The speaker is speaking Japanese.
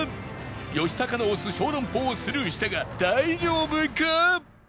吉高の推す小籠包をスルーしたが大丈夫か？